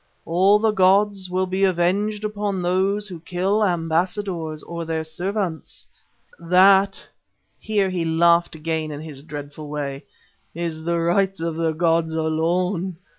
All the gods will be avenged upon those who kill ambassadors or their servants. That" here he laughed again in his dreadful way "is the rights of the gods alone.